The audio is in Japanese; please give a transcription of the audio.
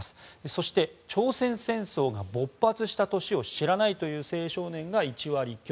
そして、朝鮮戦争が勃発した年を知らないという青少年が１割強。